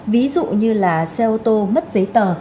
ví dụ như là xe ô tô mất giấy tờ